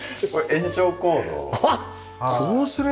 延長コード